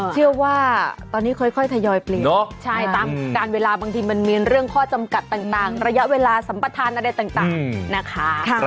เชื่อว่าตอนนี้ค่อยทยอยเปลี่ยนเนาะตามการเวลาบางทีมันมีเรื่องข้อจำกัดต่างระยะเวลาสัมปทานอะไรต่างนะคะ